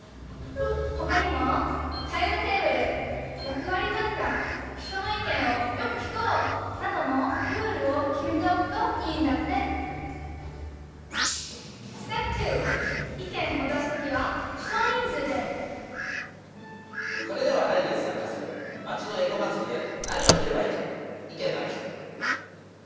ほかにもタイムテーブル役割分担人の意見をよく聞こうなどのルールを決めておくといいんだってそれでは来月参加する町のエコまつりで何をすればいいか意見のある人。